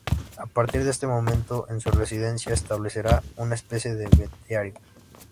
A partir de este momento, en su residencia establecerá una especie de beaterio.